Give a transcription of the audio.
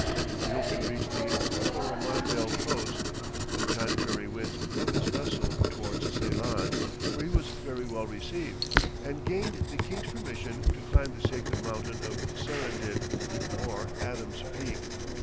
He hoped to reach the Coromandel coast, but contrary winds drove his vessel towards Ceylon, where he was very well received, and gained the king's permission to climb the sacred mountain of Serendid, or Adam's Peak.